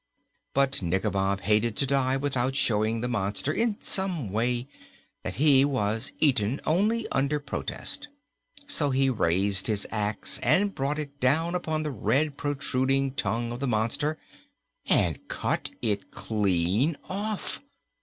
But Nikobob hated to die without showing the monster, in some way, that he was eaten only under protest. So he raised his ax and brought it down upon the red, protruding tongue of the monster and cut it clean off!